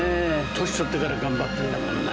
年取ってから頑張ってるんだもんね。